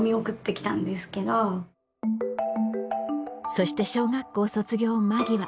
そして小学校卒業間際。